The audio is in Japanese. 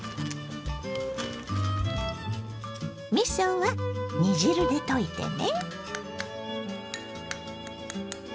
みそは煮汁で溶いてね。